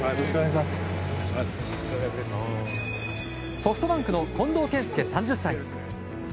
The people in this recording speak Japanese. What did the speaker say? ソフトバンクの近藤健介、３０歳。